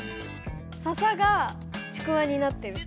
ササがちくわになってる。